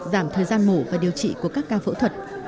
giảm thời gian mổ và điều trị của các ca phẫu thuật